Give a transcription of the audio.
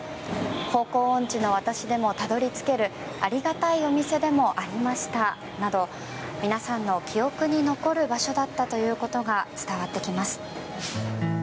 方向音痴の私でもたどり着けるありがたいお店でもありましたなど皆さんの記憶に残る場所だったということが伝わってきます。